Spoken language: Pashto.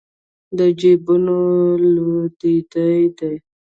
د جېبونو لوټېده دي